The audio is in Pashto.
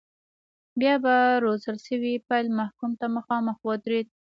بیا به روزل شوی پیل محکوم ته مخامخ ودرېد.